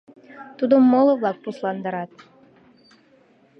Тудым моло-влак пусландарат.